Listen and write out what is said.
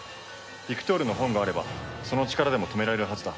ビクトールの本があればその力でも止められるはずだ。